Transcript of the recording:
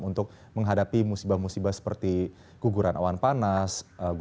untuk menghadapi musibah musibah seperti guguran awan panas